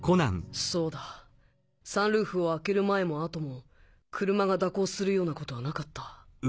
そうだサンルーフを開ける前も後も車が蛇行するようなことはなかった